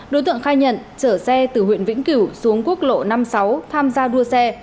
đối tượng khai nhận chở xe từ huyện vĩnh cửu xuống quốc lộ năm mươi sáu tham gia đua xe